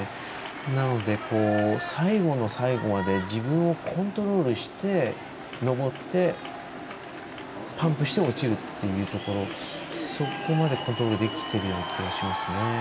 なので、最後の最後まで自分をコントロールして登ってパンプして落ちるっていうところそこまでコントロールできているような気がしますね。